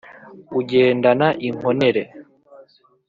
Ugendana inkornere